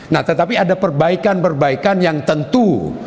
nah tetapi ada perbaikan perbaikan yang tentu